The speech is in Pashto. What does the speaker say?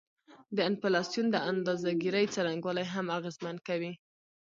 د انفلاسیون د اندازه ګيرۍ څرنګوالی هم اغیزمن کوي